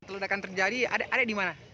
ledakan terjadi ada di mana